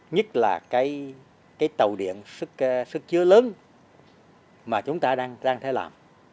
nhất là cái tàu điện sức chứa lớn mà chúng ta đang phải làm